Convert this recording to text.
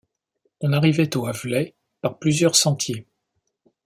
On arrivait au Havelet par plusieurs sentiers.